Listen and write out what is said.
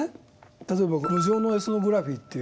例えば「路上のエスノグラフィ」という。